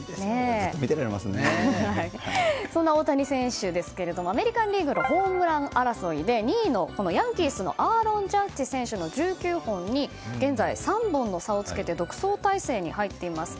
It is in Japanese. そんな大谷選手アメリカン・リーグのホームラン王争いで２位の、ヤンキースのアーロン・ジャッジ選手の１９本に現在３本の差をつけて独走態勢に入っています。